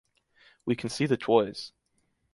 We can see the toys...